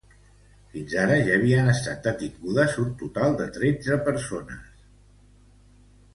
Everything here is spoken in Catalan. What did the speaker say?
Fins ara ja havien estat detingudes un total de tretze persones.